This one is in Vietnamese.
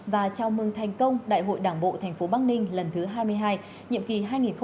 và chào mừng thành công đại hội đảng bộ thành phố bắc ninh lần thứ hai mươi hai nhiệm kỳ hai nghìn hai mươi hai nghìn hai mươi năm